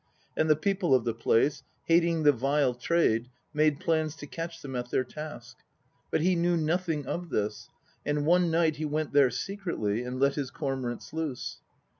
And the people of the place, hating the vile trade, made plans to catch them at their task. But he knew nothing of this; and one night he went there secretly and let his cormorants loose.